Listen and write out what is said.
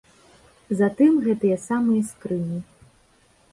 Затым гэтыя самыя скрыні.